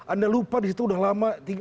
anda lupa di situ udah lama